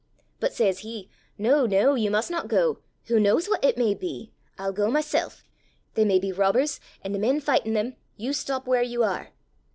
But says he, 'No, no, you must not go; who knows what it may be? I'll go myself. They may be robbers, and the men fighting them. You stop where you are.